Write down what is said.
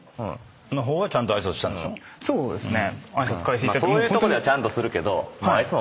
そうですね。